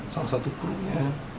salah satu kru nya